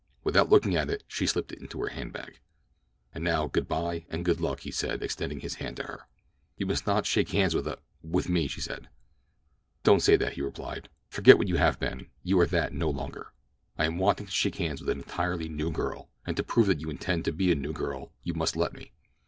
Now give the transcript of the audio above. Without looking at it she slipped it into her hand bag. "And now good by and good luck," he said, extending his hand to her. "You must not shake hands with a—with me," she said. "Don't say that," he replied. "Forget what you have been—you are that no longer. I am wanting to shake hands with an entirely new girl, and to prove that you intend to be a new girl you must let me."